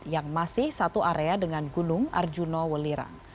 yang masih satu area dengan gunung arjuna welirang